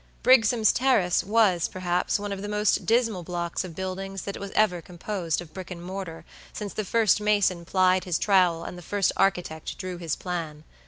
Brigsome's Terrace was, perhaps, one of the most dismal blocks of building that was ever composed of brick and mortar since the first mason plied his trowel and the first architect drew his plan.